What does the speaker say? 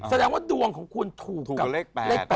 แสดงว่าดวงของคุณถูกกับเลข๘เลข๘